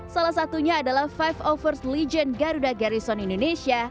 salah satunya adalah lima ratus satu st legion garuda garrison indonesia